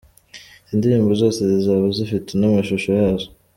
Izi ndirimbo zose zizaba zifite n’amashusho yazo.